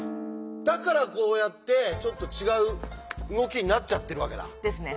だからこうやってちょっと違う動きになっちゃってるわけだ。ですね。